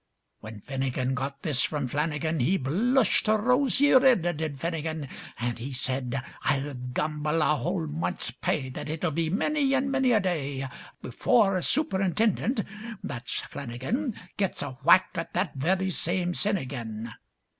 Whin Finnigin got this from Flannigan, He blushed rosy rid, did Finnigin; An' he said: "I'll gamble a whole month's pa ay That it will be minny an' minny a da ay Befoore Sup'rintindint that's Flannigan Gits a whack at this very same sin ag'in.